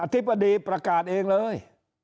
ธิบดีประกาศเองเลย